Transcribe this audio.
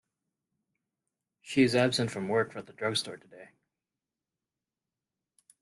She is absent from work at the drug store today.